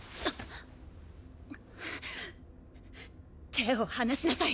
手を放しなさい